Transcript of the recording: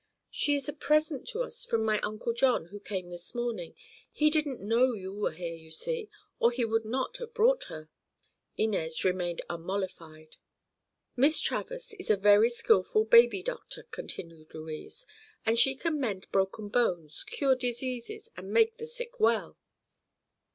"She is a present to us, from my Uncle John, who came this morning. He didn't know you were here, you see, or he would not have brought her." Inez remained unmollified. "Miss Travers is a very skillful baby doctor," continued Louise, "and she can mend broken bones, cure diseases and make the sick well."